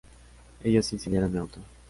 Ellos incendiaron mi auto.